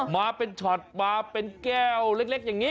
มาเป็นช็อตมาเป็นแก้วเล็กอย่างนี้